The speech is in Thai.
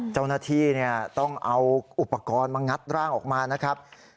เจ้าหน้าที่ต้องเอาอุปกรณ์มางัดร่างออกมานะครับ